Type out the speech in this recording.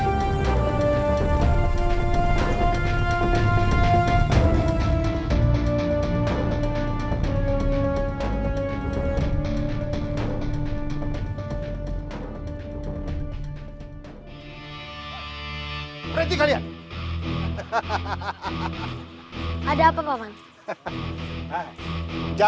sampai jumpa di video selanjutnya